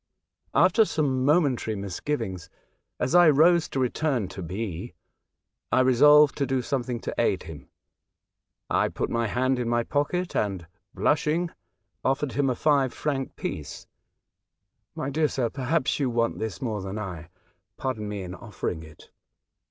After some momentary misgivings, as I rose to return to B , I resolved to do something to aid him. I put my hand in my pocket, and, blushing, offered him a five franc piece. '' My dear sir, perhaps you want this more than I — pardon me in offering it."